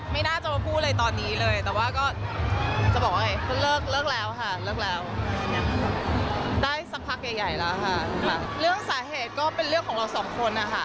ได้สักพักใหญ่แล้วค่ะเรื่องสาเหตุก็เป็นเรื่องของเราสองคนนะคะ